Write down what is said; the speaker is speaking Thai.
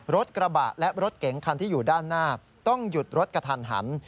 รถกระบะและรถเก๋งคันที่อยู่ด้านหน้าต้องหยุดรถกระทันหัน